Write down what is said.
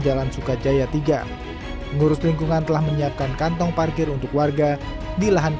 jalan sukajaya tiga pengurus lingkungan telah menyiapkan kantong parkir untuk warga di lahan